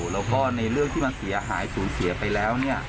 แล้วก็ในเรื่องที่มันเสียหายสูญเสียไปแล้ว